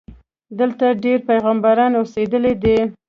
دلته ډېر پیغمبران اوسېدلي دي.